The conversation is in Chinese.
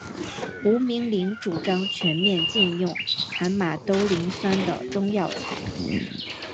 吴明铃主张全面禁用含马兜铃酸的中药材。